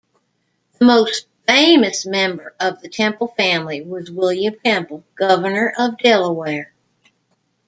The most famous member of the Temple family was William Temple, Governor of Delaware.